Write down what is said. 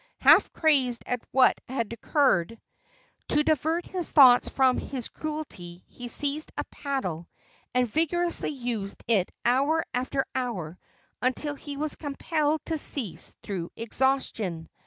Half crazed at what had occurred, to divert his thoughts from his cruelty he seized a paddle, and vigorously used it hour after hour until he was compelled to cease through exhaustion.